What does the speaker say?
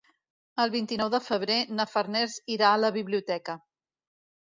El vint-i-nou de febrer na Farners irà a la biblioteca.